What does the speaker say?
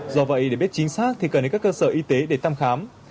do vậy để biết chính xác thì cần đến các cơ sở y tế để thăm khám